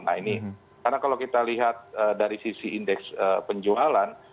nah ini karena kalau kita lihat dari sisi indeks penjualan